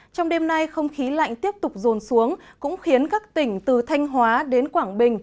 trong đêm nay không khí lạnh tiếp tục rồn xuống cũng khiến các tỉnh từ thanh hóa đến quảng bình